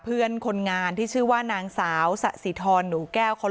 เพื่อนคนงานที่ชื่อว่านางสาวสะสิทรหนูแก้ว